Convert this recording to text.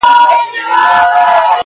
چي په وینو یې د ورور سره وي لاسونه-